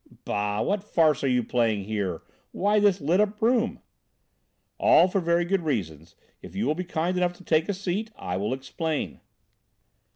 "Bah, what farce are you playing here? Why this lit up room?" "All for very good reasons. If you will be kind enough to take a seat, I will explain."